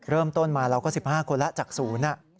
เริ่มต้นมาเราก็๑๕คนแล้วจากศูนย์